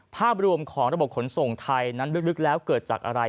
ภาพรวมของระบบขนส่งไทยนั้นลึกแล้วเกิดจากอะไร